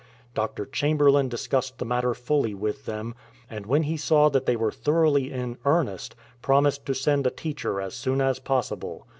Dr. Chamberlain discussed the matter fully with them, and when he saw that they were thoroughly in earnest, promised to send a teacher as soon as possible.